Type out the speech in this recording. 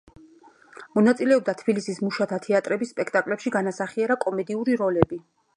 მონაწილეობდა თბილისის მუშათა თეატრების სპექტაკლებში განასახიერა კომედიური როლები.